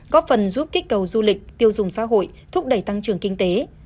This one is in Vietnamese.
có phần giúp kích cầu du lịch tiêu dùng xã hội thúc đẩy tăng trưởng kinh tế